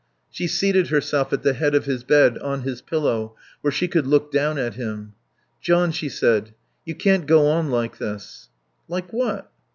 She seated herself at the head of his bed, on his pillow, where she could look down at him. "John," she said, "you can't go on like this " "Like what?"